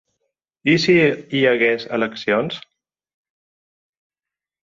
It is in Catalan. I si hi hagués eleccions?